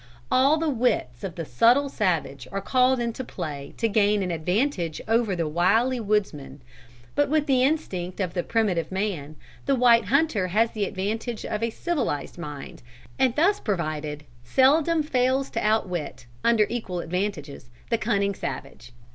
All the wits of the subtle savage are called into play to gain an advantage over the wily woodsman; but with the instinct of the primitive man, the white hunter has the advantage of a civilised mind, and thus provided seldom fails to outwit, under equal advantages, the cunning savage.